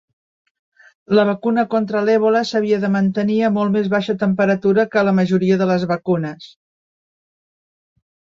La vacuna contra l'Ebola s'havia de mantenir a molt més baixa temperatura que la majoria de les vacunes.